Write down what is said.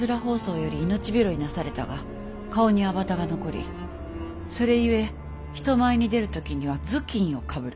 疱瘡より命拾いなされたが顔に痘痕が残りそれゆえ人前に出る時には頭巾をかぶる。